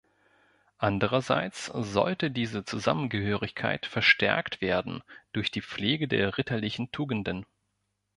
Andererseits sollte diese Zusammengehörigkeit verstärkt werden durch die Pflege der ritterlichen Tugenden.